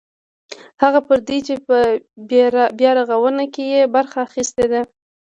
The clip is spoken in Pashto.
هغه پردي چې په بیارغاونه کې یې برخه اخیستې ده.